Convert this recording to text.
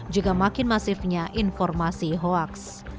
juga makin masifnya informasi hoaks